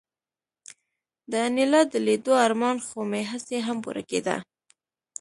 د انیلا د لیدو ارمان خو مې هسې هم پوره کېده